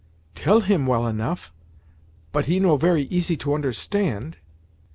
"Tell him well enough, but he no very easy to understand."